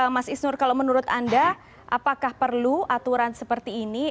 mas isnur kalau menurut anda apakah perlu aturan seperti ini